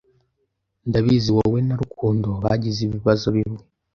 Ndabizi wowe na Rukundo bagize ibibazo bimwe.